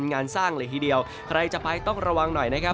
งานสร้างเลยทีเดียวใครจะไปต้องระวังหน่อยนะครับ